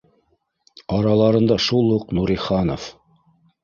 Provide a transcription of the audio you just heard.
Араларында шул уҡ Нуриханов